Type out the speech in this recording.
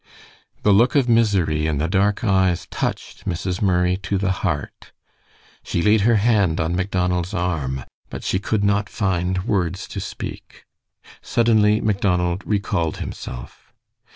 The look of misery in the dark eyes touched Mrs. Murray to the heart. She laid her hand on Macdonald's arm, but she could not find words to speak. Suddenly Macdonald recalled himself.